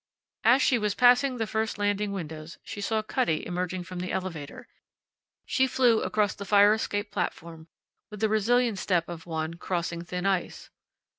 As she was passing the first landing windows she saw Cutty emerging from the elevator. She flew across the fire escape platform with the resilient step of one crossing thin ice.